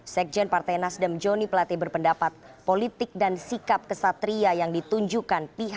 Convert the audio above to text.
sekjen partai nasdem joni pelati berpendapat politik dan sikap kesatria yang ditunjukkan pihak yang kalah pihaknya